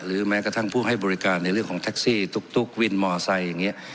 แม้กระทั่งผู้ให้บริการในเรื่องของแท็กซี่ตุ๊กวินมอไซค์อย่างนี้